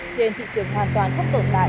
trên thị trường hoàn toàn không tồn tại